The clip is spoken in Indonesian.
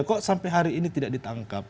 kok sampai hari ini tidak ditangkap